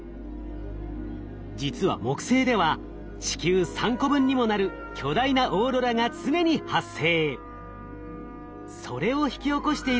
実は木星では地球３個分にもなる巨大なオーロラが常に発生。